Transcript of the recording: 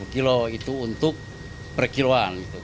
satu ratus lima puluh kilo itu untuk per kiloan gitu